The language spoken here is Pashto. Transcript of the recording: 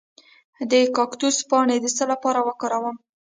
د کاکتوس پاڼې د څه لپاره وکاروم؟